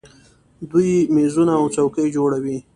دوی میزونه او څوکۍ جوړوي.